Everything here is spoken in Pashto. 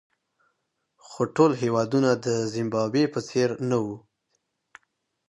خو ټول هېوادونه د زیمبابوې په څېر نه وو.